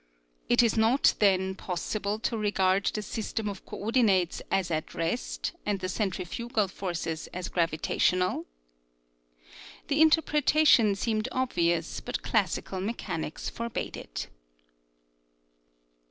It is not, then, possible to regard the system of coordinates as at rest, and the centrifugal forces of gravitational? The in terpretation seemed obvious, but classical mechanics forbade it.